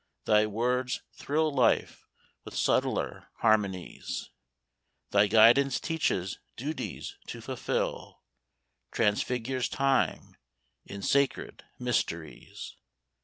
Thy words thrill life with subtler harmonies ; Thy guidance teaches duties to fulfil ; Transfigures time in sacred mysteries.